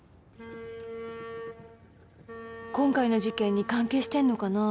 今回の事件に関係してるのかなぁ。